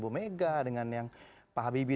bu mega dengan yang pak habibie